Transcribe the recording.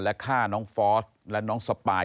ฆ่าน้องฟอสและน้องสปาย